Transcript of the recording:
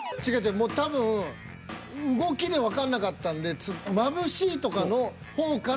もう多分動きでわかんなかったんでまぶしいとかの方から。